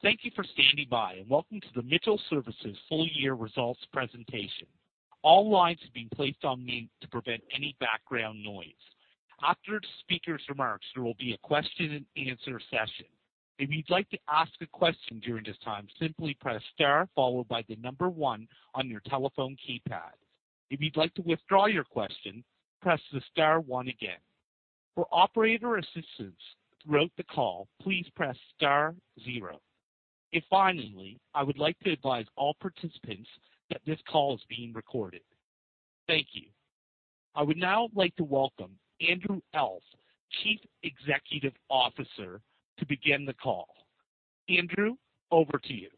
Thank you for standing by, welcome to the Mitchell Services full year results presentation. All lines have been placed on mute to prevent any background noise. After the speaker's remarks, there will be a question and answer session. If you'd like to ask a question during this time, simply press star followed by the number one on your telephone keypad. If you'd like to withdraw your question, press the star one again. For operator assistance throughout the call, please press star zero. Finally, I would like to advise all participants that this call is being recorded. Thank you. I would now like to welcome Andrew Elf, Chief Executive Officer, to begin the call. Andrew, over to you.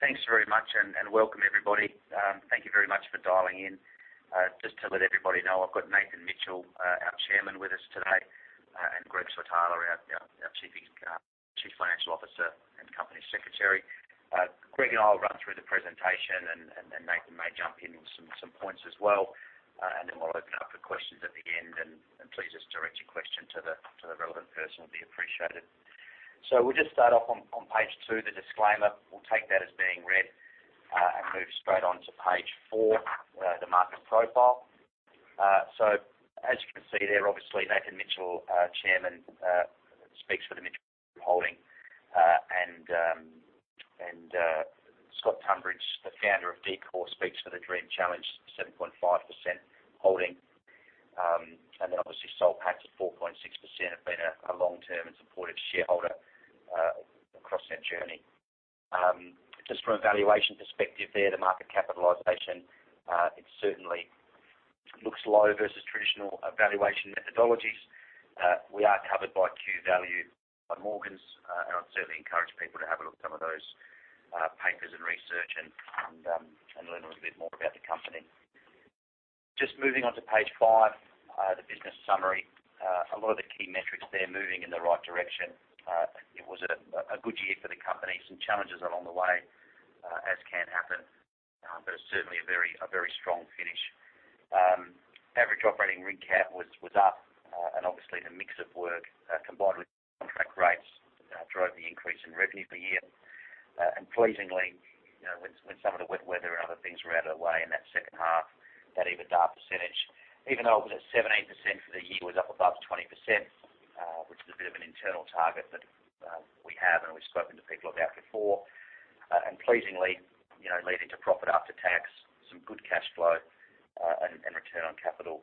Thanks very much and welcome, everybody. Thank you very much for dialing in. Just to let everybody know, I've got Nathan Mitchell, our chairman, with us today, and Greg Switala, our Chief Financial Officer and Company Secretary. Greg and I will run through the presentation and Nathan may jump in on some, some points as well. Then we'll open up for questions at the end. Please just direct your question to the relevant person, will be appreciated. We'll just start off on page 2, the disclaimer. We'll take that as being read. Move straight on to page 4, the market profile. As you can see there, obviously, Nathan Mitchell, Chairman, speaks for the Mitchell Holdings, and Scott Tumbridge, the founder of Deepcore, speaks for the Dream Challenge, 7.5% holding. Obviously, Soul Patts at 4.6% have been a long-term and supportive shareholder across their journey. Just from a valuation perspective there, the market capitalization, it certainly looks low versus traditional valuation methodologies. We are covered by Q Value by Morgans, and I'd certainly encourage people to have a look at some of those papers and research and learn a little bit more about the company. Just moving on to page 5, the business summary. A lot of the key metrics there moving in the right direction. It was a good year for the company. Some challenges along the way, as can happen, it's certainly a very, a very strong finish. Average operating rig cap was, was up, obviously the mix of work, combined with contract rates, drove the increase in revenue for the year. Pleasingly, you know, when, when some of the wet weather and other things were out of the way in that second half, that EBITDA percentage, even though it was at 17% for the year, was up above 20%, which is a bit of an internal target that we have and we've spoken to people about before. Pleasingly, you know, leading to profit after tax, some good cash flow, and, and return on capital,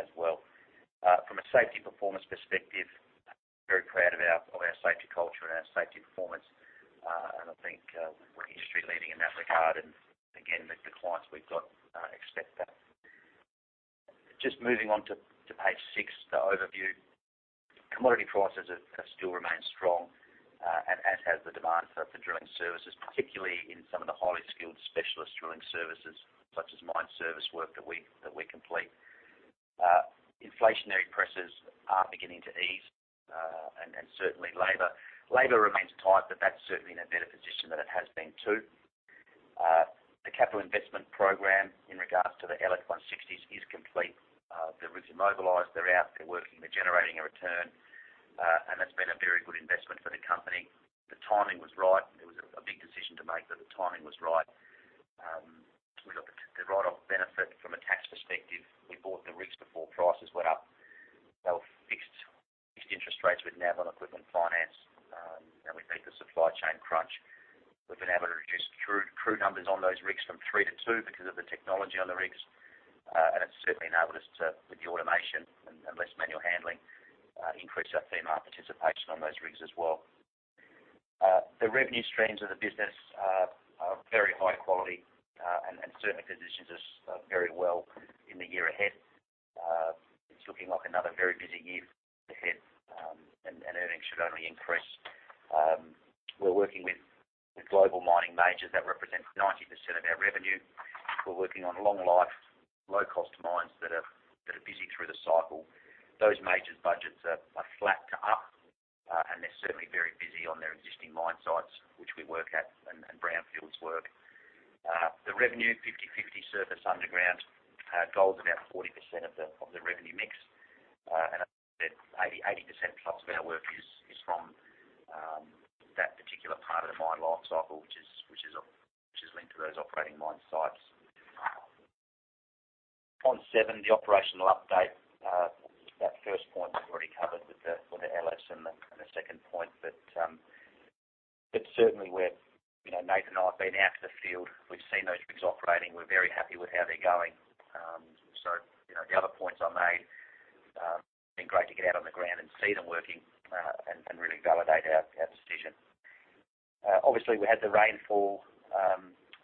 as well. From a safety performance perspective, very proud of our, of our safety culture and our safety performance. I think, we're industry-leading in that regard. Again, the, the clients we've got, expect that. Just moving on to, to page 6, the overview. Commodity prices have, have still remained strong, and as has the demand for the drilling services, particularly in some of the highly skilled specialist drilling services, such as mine service work that we, that we complete. Inflationary pressures are beginning to ease, and, and certainly labor. Labor remains tight, but that's certainly in a better position than it has been too. The capital investment program in regards to the LF160s is complete. The rigs are mobilized. They're out, they're working, they're generating a return, and that's been a very good investment for the company. The timing was right. It was a, a big decision to make, but the timing was right. We got the write-off benefit from a tax perspective. We bought the rigs before prices went up. They were fixed, fixed interest rates we'd now on equipment finance, and we beat the supply chain crunch. We've been able to reduce crew, crew numbers on those rigs from 3 to 2 because of the technology on the rigs. It's certainly enabled us to, with the automation and, and less manual handling, increase our female participation on those rigs as well. The revenue streams of the business are, are very high quality, and, and certainly positions us very well in the year ahead. It's looking like another very busy year ahead, and, and earnings should only increase. We're working with the global mining majors that represent 90% of our revenue. We're working on long life, low-cost mines that are, that are busy through the cycle. Those majors budgets are, are flat to up, and they're certainly very busy on their existing mine sites, which we work at, and, and brownfields work. The revenue, 50/50 surface underground. Gold's about 40% of the, of the revenue mix, and 80% plus of our work is, is from that particular part of the mine life cycle, which is, which is, which is linked to those operating mine sites. On seven, the operational update, that first point we've already covered with the, with the LF and the, and the second point, but certainly we're... You know, Nate and I have been out to the field. We've seen those rigs operating. We're very happy with how they're going. You know, the other points I made, it's been great to get out on the ground and see them working, and really validate our decision. Obviously, we had the rainfall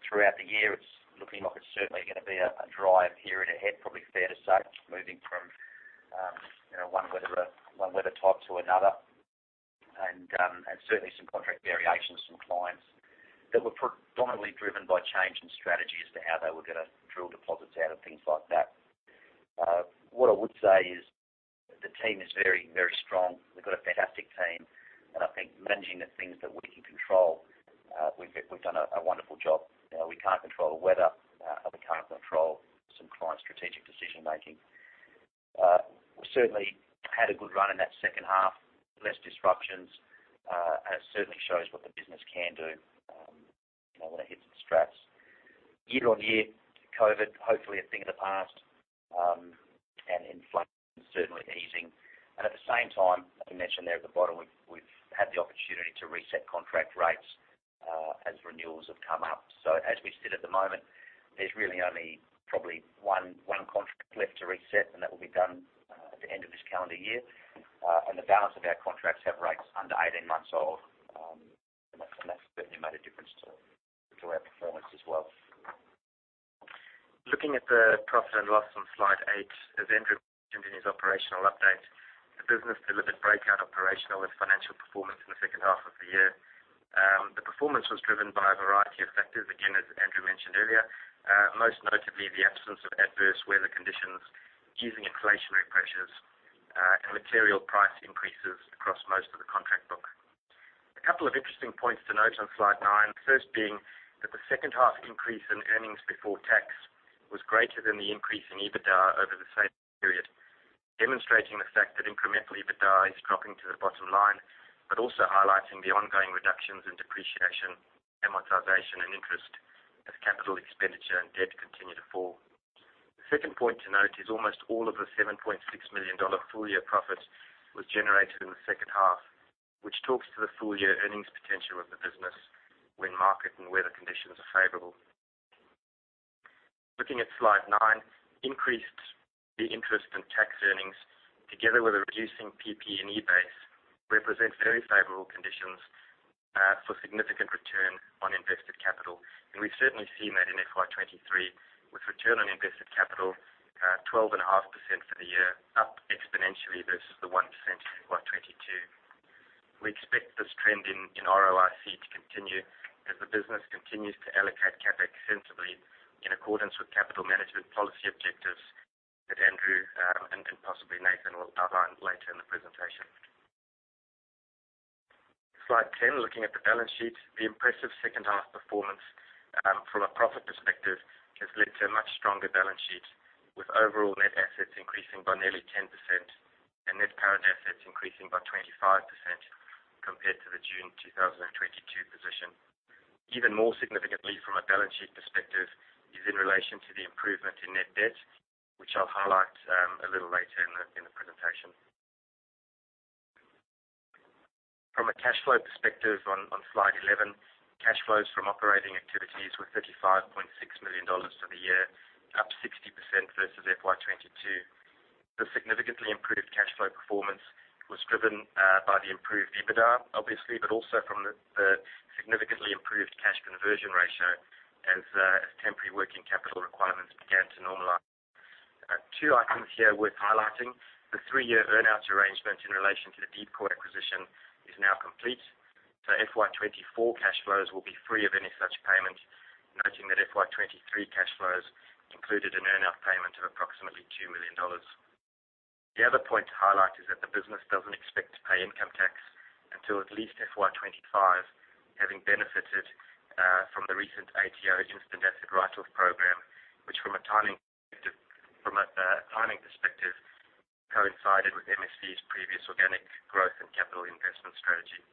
throughout the year. It's looking like it's certainly gonna be a dry period ahead. Probably fair to say, moving from, you know, one weather, one weather type to another. Certainly some contract variations from clients that were predominantly driven by change in strategy as to how they were gonna drill deposits out and things like that. What I would say is the team is very, very strong. We've got a fantastic team, and I think managing the things that we can control, we've done a wonderful job. You know, we can't control the weather, and we can't control some client strategic decision making. We certainly had a good run in that second half, less disruptions, and it certainly shows what the business can do, you know, when it hits the straps. Year-over-year, COVID, hopefully a thing of the past, and inflation certainly easing. At the same time, as we mentioned there at the bottom, we've, we've had the opportunity to reset contract rates, as renewals have come up. As we sit at the moment, there's really only probably 1, 1 contract left to reset, and that will be done at the end of this calendar year. The balance of our contracts have rates under 18 months old, and that's, and that's certainly made a difference to, to our performance as well. Looking at the profit and loss on slide 8, as Andrew mentioned in his operational update, the business delivered breakout operational and financial performance in the second half of the year. The performance was driven by a variety of factors, again, as Andrew mentioned earlier, most notably the absence of adverse weather conditions, easing inflationary pressures, and material price increases across most of the contract book. A couple of interesting points to note on slide 9, first being that the second half increase in earnings before tax was greater than the increase in EBITDA over the same period, demonstrating the fact that incremental EBITDA is dropping to the bottom line, but also highlighting the ongoing reductions in depreciation, amortization, and interest as capital expenditure and debt continue to fall. The second point to note is almost all of the 7.6 million dollar full-year profit was generated in the second half, which talks to the full-year earnings potential of the business when market and weather conditions are favorable. Looking at slide 9, increased the interest in tax earnings, together with a reducing PP&E base, represents very favorable conditions for significant Return on Invested Capital. We've certainly seen that in FY23, with Return on Invested Capital 12.5% for the year, up exponentially versus the 1% in FY22. We expect this trend in ROIC to continue as the business continues to allocate CapEx sensibly in accordance with capital management policy objectives that Andrew and possibly Nathan will outline later in the presentation. Slide 10, looking at the balance sheet. The impressive second half performance, from a profit perspective, has led to a much stronger balance sheet, with overall net assets increasing by nearly 10% and net parent assets increasing by 25% compared to the June 2022 position. Even more significantly, from a balance sheet perspective, is in relation to the improvement in Net Debt, which I'll highlight a little later in the presentation. From a cash flow perspective on slide 11, cash flows from operating activities were 35.6 million dollars for the year, up 60% versus FY22. The significantly improved cash flow performance was driven by the improved EBITDA, obviously, but also from the significantly improved Cash Conversion Ratio as temporary working capital requirements began to normalize. Two items here worth highlighting. The three-year earn-outs arrangement in relation to the Deepcore acquisition is now complete, so FY24 cash flows will be free of any such payment, noting that FY23 cash flows included an earn-out payment of approximately 2 million dollars. The other point to highlight is that the business doesn't expect to pay income tax until at least FY25, having benefited from the recent ATO Instant Asset Write-Off program, which from a timing perspective, from a timing perspective, coincided with MSV's previous organic growth and capital investment strategy.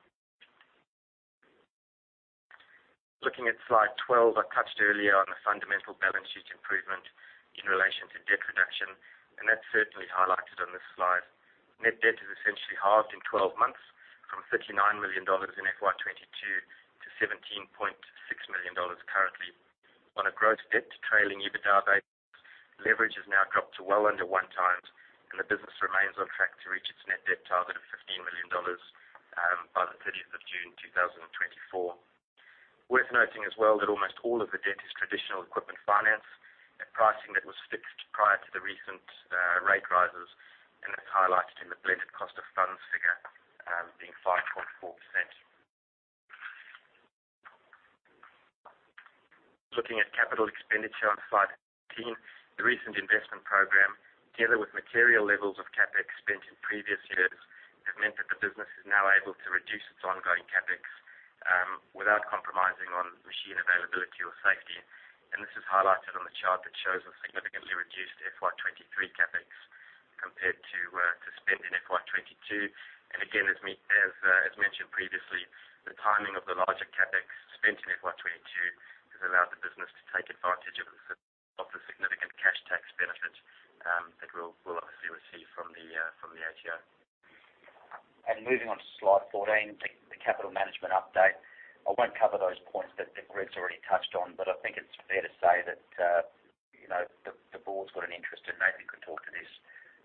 Looking at slide 12, I touched earlier on the fundamental balance sheet improvement in relation to debt reduction, and that's certainly highlighted on this slide. Net debt is essentially halved in 12 months, from 39 million dollars in FY22 to 17.6 million dollars currently. On a Gross Debt to Trailing EBITDA base, leverage has now dropped to well under 1x, and the business remains on track to reach its Net Debt target of 15 million dollars by the 30th of June 2024. Worth noting as well, that almost all of the debt is traditional equipment finance at pricing that was fixed prior to the recent rate rises, and that's highlighted in the Blended Cost of Funds figure being 5.4%. Looking at capital expenditure on slide 13, the recent investment program, together with material levels of CapEx spent in previous years, have meant that the business is now able to reduce its ongoing CapEx without compromising on machine availability or safety. This is highlighted on the chart that shows a significantly reduced FY23 CapEx compared to spend in FY22. Again, as mentioned previously, the timing of the larger CapEx spent in FY22 has allowed the business to take advantage of the significant cash tax benefit, that we'll obviously receive from the ATO. Moving on to slide 14, the capital management update. I won't cover those points that, that Greg's already touched on, but I think it's fair to say that, you know, the board's got an interest, and Nathan could talk to this,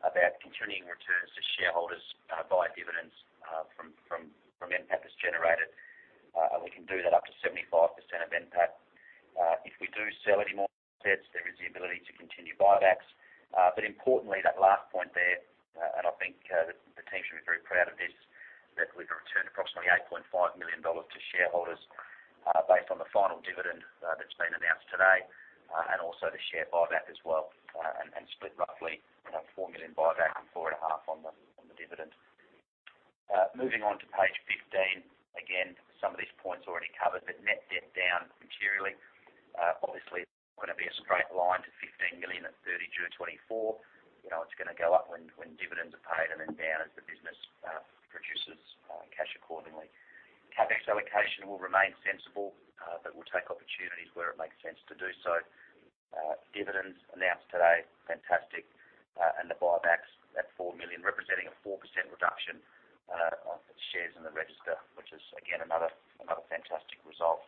about continuing returns to shareholders, by dividends, from, from, from NPAT that's generated. We can do that up to 75% of NPAT. If we do sell any more assets, there is the ability to continue buybacks. Importantly, that last point there, and I think the team should be very proud of this, that we've returned approximately 8.5 million dollars to shareholders, based on the final dividend that's been announced today, and also the share buyback as well, and split roughly, you know, 4 million buyback and 4.5 million on the dividend. Moving on to page 15. Again, some of these points already covered. Net Debt down materially. Obviously, it's gonna be a straight line to 15 million at 30 June 2024. You know, it's gonna go up when dividends are paid and then down as the business produces cash accordingly. CapEx allocation will remain sensible, we'll take opportunities where it makes sense to do so. Dividends announced today, fantastic, and the buybacks at 4 million, representing a 4% reduction of the shares in the register, which is, again, another, another fantastic result.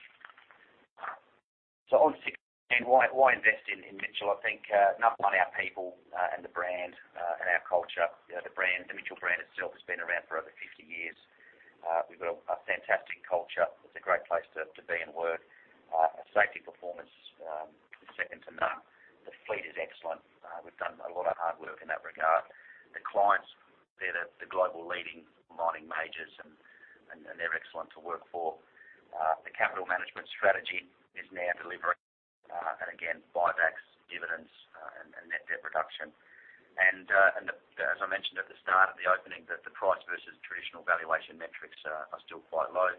On 16, why, why invest in Mitchell? I think, number 1, our people, and the brand, and our culture. You know, the brand, the Mitchell brand itself has been around for over 50 years. We've got a fantastic culture. It's a great place to, to be and work. Our safety performance is second to none. The fleet is excellent. We've done a lot of hard work in that regard. The clients, they're the global leading mining majors, and, and they're excellent to work for. The capital management strategy is now delivering, and again, buybacks, dividends, and Net Debt reduction. As I mentioned at the start of the opening, that the price versus traditional valuation metrics are, are still quite low,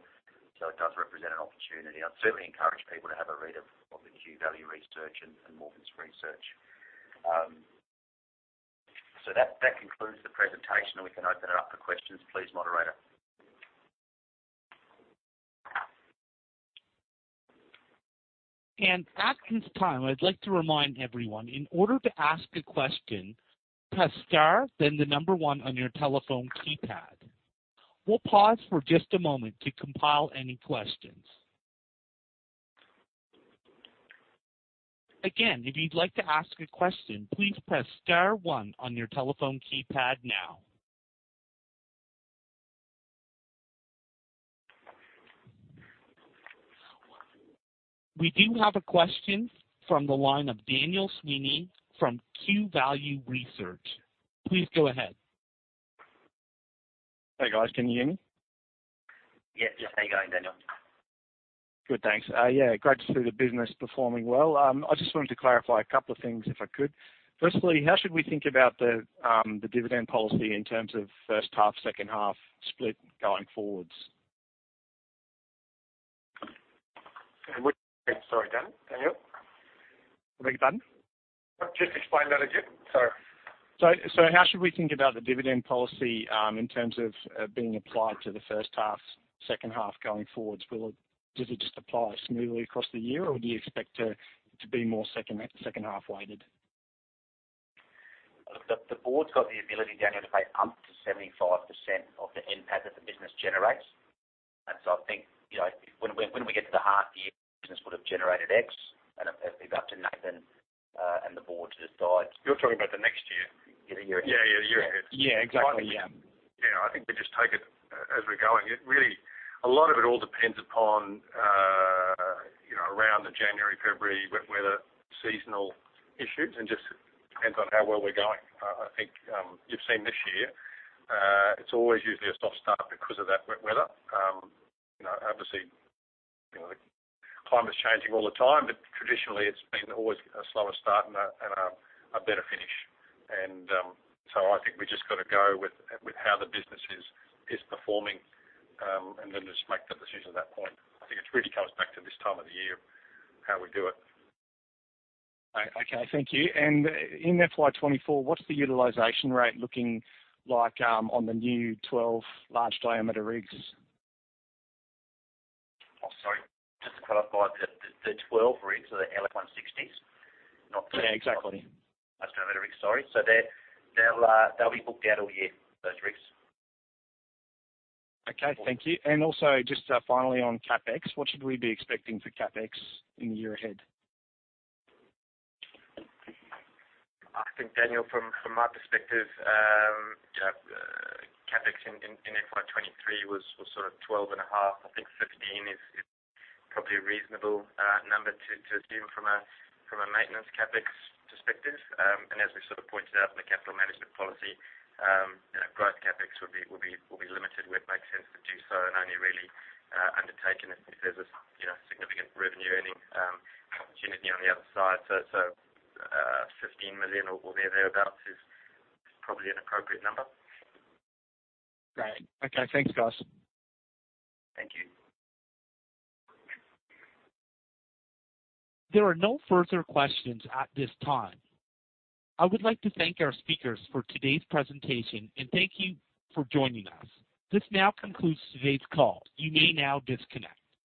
so it does represent an opportunity. I'd certainly encourage people to have a read of the Q Value Research and Morgans' research. That concludes the presentation, and we can open it up for questions. Please, moderator. At this time, I'd like to remind everyone, in order to ask a question, press Star, then the 1 on your telephone keypad. We'll pause for just a moment to compile any questions. Again, if you'd like to ask a question, please press Star one on your telephone keypad now. We do have a question from the line of Daniel Sweeney from Q Value Research. Please go ahead. Hey, guys, can you hear me? Yes. Yes. How you going, Daniel? Good, thanks. Yeah, great to see the business performing well. I just wanted to clarify a couple of things if I could. Firstly, how should we think about the dividend policy in terms of first half, second half split going forwards? Sorry, Daniel. Daniel? Beg your pardon? Just explain that again, sorry. How should we think about the dividend policy, in terms of being applied to the first half, second half going forwards? Will it does it just apply smoothly across the year, or do you expect it to be more second half weighted? Look, the, the board's got the ability, Daniel, to pay up to 75% of the NPAT that the business generates. I think, you know, when, when we get to the half year, the business would have generated X, and it'll be up to Nathan and the board to decide. You're talking about the next year? Yeah, the year ahead. Yeah, exactly. Yeah. Yeah, I think we just take it as we're going. It really, a lot of it all depends upon, you know, around the January, February, wet weather, seasonal issues, and just depends on how well we're going. I think, you've seen this year, it's always usually a soft start because of that wet weather. You know, obviously, you know, the climate is changing all the time, but traditionally it's been always a slower start and a, and a, a better finish. I think we just got to go with, with how the business is, is performing, and then just make the decision at that point. I think it really comes back to this time of the year, how we do it. Okay, thank you. In FY24, what's the utilization rate looking like on the new 12 large diameter rigs? Oh, sorry, just to clarify, the, the 12 rigs are the LF160s, not... Yeah, exactly. Large diameter rigs, sorry. They're, they'll, they'll be booked out all year, those rigs. Okay, thank you. Also, just, finally on CapEx, what should we be expecting for CapEx in the year ahead? I think, Daniel, from my perspective, yeah, CapEx in FY23 was sort of 12.5 million. I think 15 million is probably a reasonable number to assume from a maintenance CapEx perspective. As we sort of pointed out in the capital management policy, you know, growth CapEx will be limited where it makes sense to do so and only really undertaken if there's a, you know, significant revenue-earning opportunity on the other side. 15 million or thereabouts is probably an appropriate number. Great. Okay. Thanks, guys. Thank you. There are no further questions at this time. I would like to thank our speakers for today's presentation and thank you for joining us. This now concludes today's call. You may now disconnect.